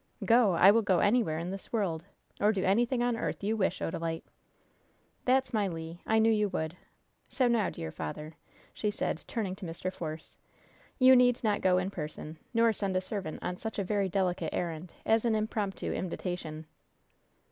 "Go I will go anywhere in this world, or do anything on earth you wish, Odalite!" "That's my Le! I knew you would! So, now, dear father," she said, turning to Mr. Force, "you need not go in person, nor send a servant on such a very delicate errand as an impromptu invitation!"